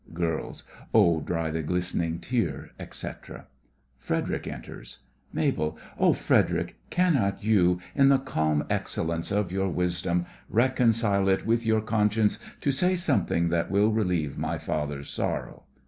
GIRLS: Oh, dry the glist'ning tear, etc. (FREDERIC enters) MABEL: Oh, Frederic, cannot you, in the calm excellence of your wisdom, reconcile it with your conscience to say something that will relieve my father's sorrow?